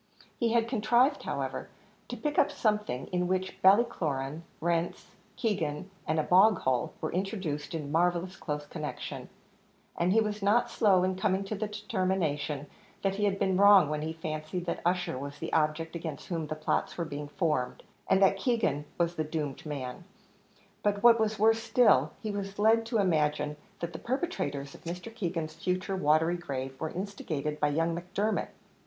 He had contrived, however, to pick up something, in which Ballycloran, rents, Keegan, and a bog hole were introduced in marvellous close connection, and he was not slow in coming to the determination that he had been wrong when he fancied that Ussher was the object against whom plots were being formed, and that Keegan was the doomed man; but what was worse still, he was led to imagine that the perpetrators of Mr. Keegan's future watery grave were instigated by young Macdermot!